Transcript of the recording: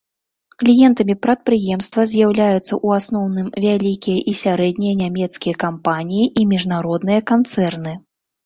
Кліентамі прадпрыемства з'яўляюцца ў асноўным вялікія і сярэднія нямецкія кампаніі і міжнародныя канцэрны.